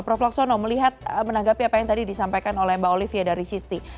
prof laksono melihat menanggapi apa yang tadi disampaikan oleh mbak olivia dari cisti